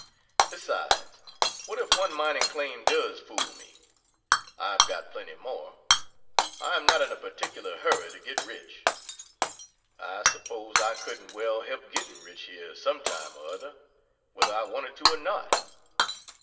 Besides, what if one mining claim does fool me? I have got plenty more. I am not in a particular hurry to get rich. I suppose I couldn't well help getting rich here some time or other, whether I wanted to or not.